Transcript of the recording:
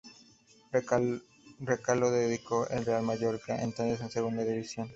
Recaló cedido en el Real Mallorca, entonces en Segunda División.